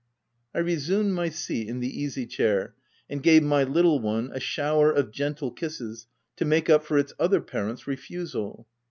I resumed my seat in the easy chair, and gave my little one a shower of gentle kisses to make up for its other parent's refusal.